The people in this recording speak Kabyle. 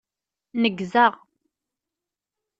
Neggzeɣ.